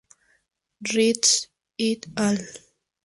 Ritz "et al.